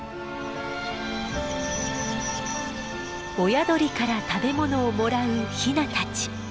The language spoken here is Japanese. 親鳥から食べ物をもらうヒナたち。